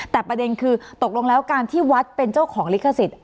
แต่ประเด็นคือตกลงแล้วการที่วัดเป็นเจ้าของลิขสิทธิ